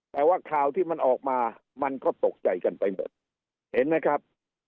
แต่ว่าข่าวที่มันออกมามันก็ตกใจกันไปหมดเห็นไหมครับ